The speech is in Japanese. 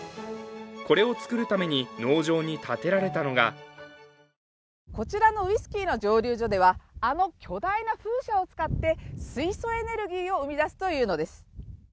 これを作るために農場に建てられたのがこちらのウイスキーの蒸留所では、あの巨大な風車を使って水素エネルギーを生み出すというのです。